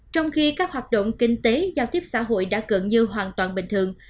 trong khi các hoạt động kinh tế giao tiếp xã hội đã gần như hoàn toàn bình thường